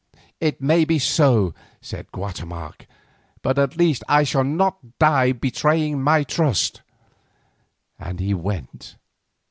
"It may be so," said Guatemoc, "but at least I shall not die betraying my trust;" and he went.